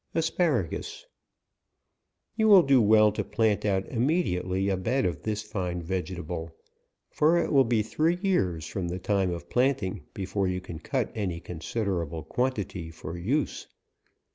ASPARAGUS. You will do well to plant out immediately, a bed of this fine vegetable ; for it will be three yean from the time of planting, before SB APRIL. you can cut any considerable quantity for use.